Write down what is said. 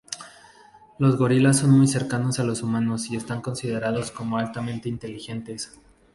Los gorilas son muy cercanos a los humanos y están considerados como altamente inteligentes.